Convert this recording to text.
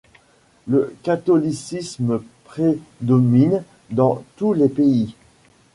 Le catholicisme prédomine dans tous les pays.